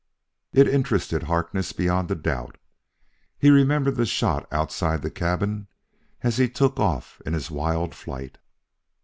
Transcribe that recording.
It interested Harkness, beyond a doubt. He remembered the shot outside the cabin as he took off in his wild flight.